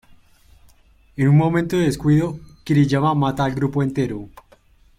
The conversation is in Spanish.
En un momento de descuido, Kiriyama mata al grupo entero.